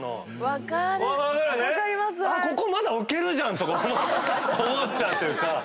あっここまだ置けるじゃん！とか思っちゃうというか。